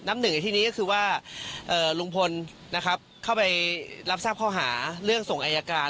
หนึ่งในที่นี้ก็คือว่าลุงพลนะครับเข้าไปรับทราบข้อหาเรื่องส่งอายการ